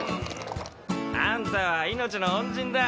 あんたは命の恩人だ。